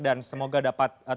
dan semoga dapat berhasil